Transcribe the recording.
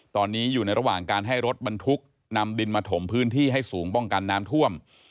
ตอนนี้อยู่ในระหว่างการให้รถบรรทุกนำดินมาถมพื้นที่ให้สูงป้องกันน้ำท่วม